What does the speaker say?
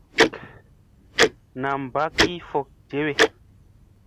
Nam mba ki fok jewe.